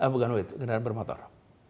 bukan mobil kendaraan bermotor